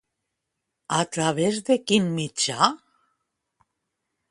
A través de quin mitjà?